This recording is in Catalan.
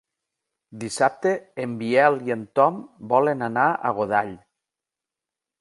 Dissabte en Biel i en Tom volen anar a Godall.